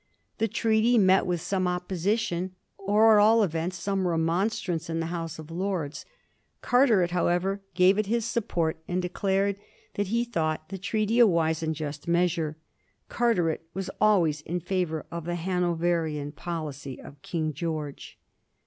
The treaty met with some opposition, or at all events some remonstrance, in the House of Lords. Car teret, however, gave it his support, and declared that he thought the treaty a wise and a just measure. Carteret, was always in favor of the Hanoverian policy of King George.